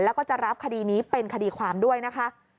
แล้วก็จะรับคดีนี้เป็นคดีความด้วยนะคะ